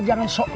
jangan pak ji